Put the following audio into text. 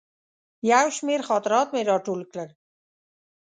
یو شمېر خاطرات مې راټول کړل.